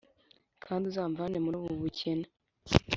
kandi uzamvane muri ubu bukene